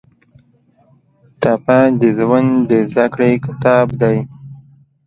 ټپه د ژوند د زده کړې کتاب دی.